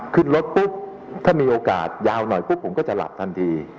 ขึ้นรถปุ๊บถ้ามีโอกาสยาวหน่อยปุ๊บผมก็จะหลับทันที